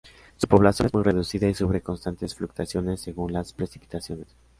Su población es muy reducida y sufre constantes fluctuaciones según las precipitaciones.